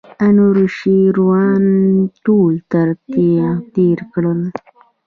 انوشیروان ټول تر تېغ تېر کړل.